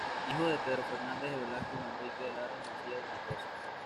Hijo de Pedro Fernández de Velasco y Manrique de Lara y Mencía de Mendoza.